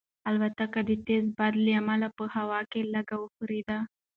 الوتکه د تېز باد له امله په هوا کې لږه وښورېده.